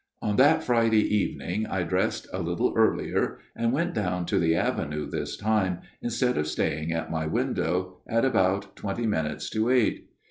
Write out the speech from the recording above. " On that Friday evening I dressed a little earlier, and went down to the avenue this time, instead of staying at my window, at about twenty minutes to eight.